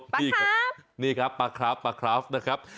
นี่ครับนี่ครับปลาคราฟปลาคราฟนะครับ